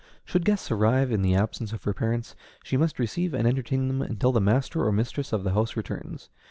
Should guests arrive in the absence of her parents, she must receive and entertain them until the master or mistress of the house returns.